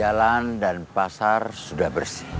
jalan dan pasar sudah bersih